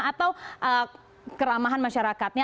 atau keramahan masyarakatnya